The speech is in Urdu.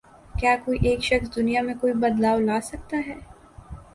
کیا کوئی ایک شخص دنیا میں کوئی بدلاؤ لا سکتا ہے؟